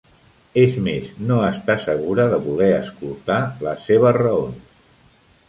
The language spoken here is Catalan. És més, no està segura de voler escoltar les seves raons.